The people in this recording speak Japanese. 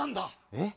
えっ？